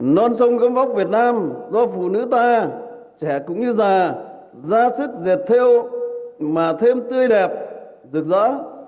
non sông gương vóc việt nam do phụ nữ ta trẻ cũng như già ra sức dệt theo mà thêm tươi đẹp rực rỡ